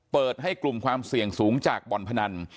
เปิดให้กลุ่มความเสี่ยงสูงจากบ่อนพนัน